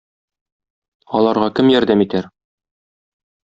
Аларга кем ярдәм итәр?